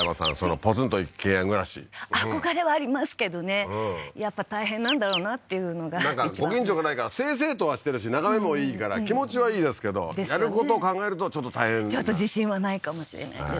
ポツンと一軒家暮らし憧れはありますけどねやっぱ大変なんだろうなっていうのがなんかご近所がないから清々とはしてるし眺めもいいから気持ちはいいですけどやることを考えるとちょっと大変なちょっと自信はないかもしれないです